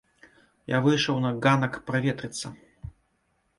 Я выйшаў на ганак праветрыцца.